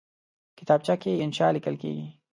کتابچه کې انشاء لیکل کېږي